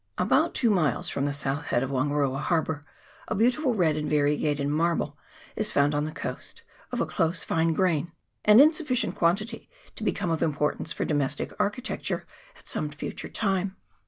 About two miles from the south head of Wan garoa harbour a beautiful red and variegated marble is found on the coast, of a close fine grain, and in 238 WANG AROA^ HARBOUR. [PART II. sufficient quantity to become of importance for do mestic architecture at some future time.